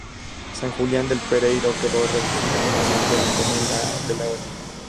San Julián del Pereiro quedó reducida a una simple encomienda de la orden.